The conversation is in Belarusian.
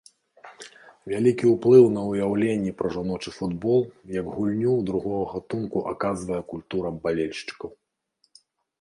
Вялікі ўплыў на ўяўленні пра жаночы футбол як гульню другога гатунку аказвае культура балельшчыкаў.